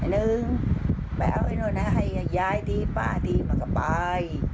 หนึ่งไปเอาไอ้นู่นนะให้ยายดีป้าดีมันก็ไป